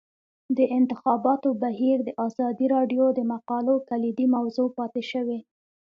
د انتخاباتو بهیر د ازادي راډیو د مقالو کلیدي موضوع پاتې شوی.